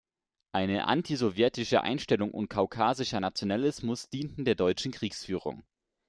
Eine antisowjetische Einstellung und kaukasischer Nationalismus dienten der deutschen Kriegsführung.